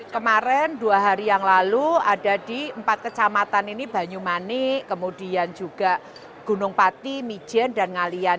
kemarin dua hari yang lalu ada di empat kecamatan ini banyumanik kemudian juga gunung pati mijen dan ngalian